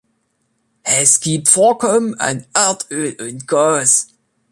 Es gibt Vorkommen an Erdöl und Gas.